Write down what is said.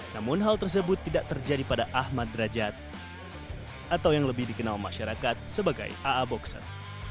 namun hal tersebut tidak terjadi pada ahmad derajat atau yang lebih dikenal masyarakat sebagai aa boxer